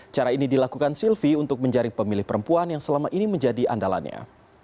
cara ini dilakukan sylvi untuk menjaring pemilih perempuan yang selama ini menjadi andalannya